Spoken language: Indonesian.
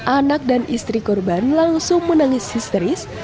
anak dan istri korban langsung menangis histeris